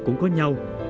họ cũng có nhau